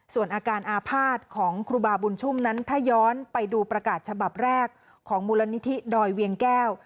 ส่วนอาการอาภาษณ์ของครูบาบุญชุ่มนั้นถ้าย้อนไปดูประกาศฉบับแรกของมูลนิธิดอยเวียงแก้ว